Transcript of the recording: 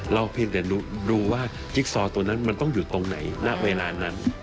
เพียงแต่ดูว่าจิ๊กซอตัวนั้นมันต้องอยู่ตรงไหนณเวลานั้น